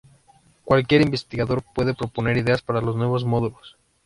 Cualquier investigador puede proponer ideas para los nuevos módulos.